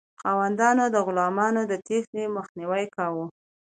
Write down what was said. خاوندانو د غلامانو د تیښتې مخنیوی کاوه.